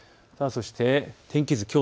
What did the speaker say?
そして天気図。